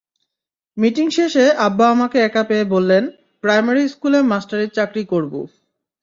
Meeting শেষে আব্বা আমাকে একা পেয়ে বললেন, প্রাইমারি স্কুলে মাস্টারির চাকরি করবু।